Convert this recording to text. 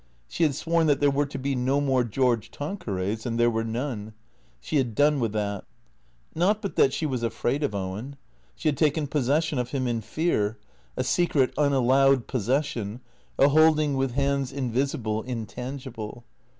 She had sworn that there were to be no more George Tanquerays; and there were none. She had done with that. ISTot but that she was afraid of Owen. She had taken posses sion of him in fear, a secret, unallowed possession, a holding with hands invisible, intangible.